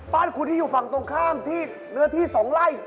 บ้านคุณที่อยู่ฝั่งตรงข้ามที่เนื้อที่๒ไร่